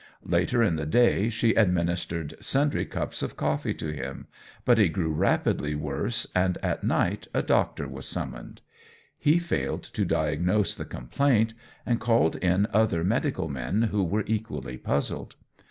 Later in the day she administered sundry cups of coffee to him; but he grew rapidly worse and at night a doctor was summoned. He failed to diagnose the complaint, and called in other medical men, who were equally puzzled.